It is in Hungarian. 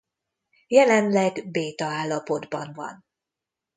Jelenleg béta állapotban van.